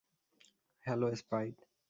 Hello, Sprite.